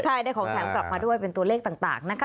ใช่ได้ของแถมกลับมาด้วยเป็นตัวเลขต่างนะคะ